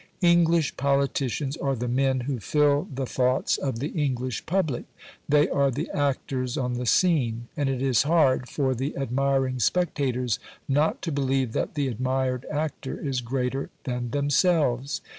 English politicians are the men who fill the thoughts of the English public: they are the actors on the scene, and it is hard for the admiring spectators not to believe that the admired actor is greater than themselves.